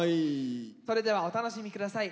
それではお楽しみ下さい。